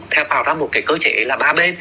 tạo ra một cái cơ chế là ba bên